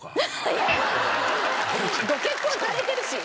いやご結婚されてるし！